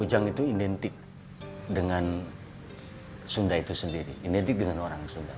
ujang itu identik dengan sunda itu sendiri identik dengan orang sunda